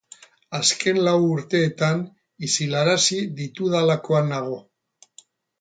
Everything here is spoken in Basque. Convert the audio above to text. Azken lau urteetan isilarazi ditudalakoan nago.